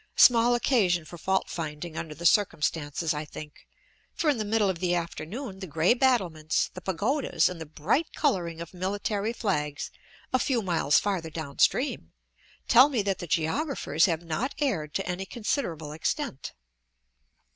Small occasion for fault finding under the circumstances, I think, for in the middle of the afternoon the gray battlements, the pagodas, and the bright coloring of military flags a few miles farther down stream tell me that the geographers have not erred to any considerable extent.